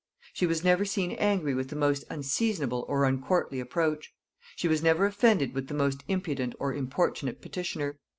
She was never seen angry with the most unseasonable or uncourtly approach; she was never offended with the most impudent or importunate petitioner.